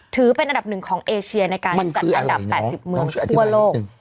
ถือเป็นอันดับหนึ่งของเอเชียในการจัดอันดับ๘๐เมืองทั่วโลก